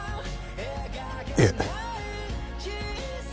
いえ。